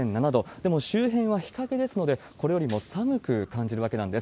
でも、周辺は日陰ですので、これよりも寒く感じるわけなんです。